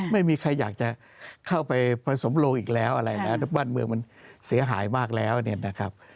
ไม่มีใครอยากจะเข้าไปผสมโลงอีกแล้วอะไรแล้วบ้านเมืองมันเสียหายมากแล้วเนี่ยนะครับ